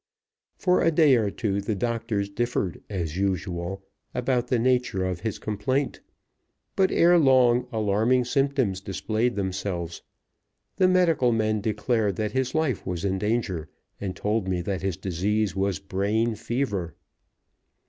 For a day or two the doctors differed, as usual, about the nature of his complaint, but ere long alarming symptoms displayed themselves. The medical men declared that his life was in danger, and told me that his disease was brain fever.